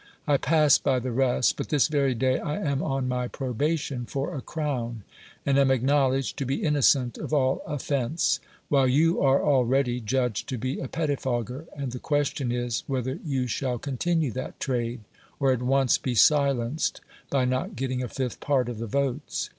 I pass by the rest ; but this very day I am on my probation for a crown, and am acknowledged to be innocent of all offense ; while you are already 174 DEMOSTHENES judged to be a pettifog ger, and the question is, whether you shall continue that trade, or at once be silenced bv not getting a fifth part of the votes.